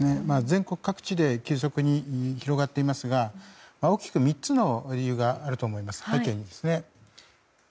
全国各地で急速に広がっていますが大きく３つの理由があると思います。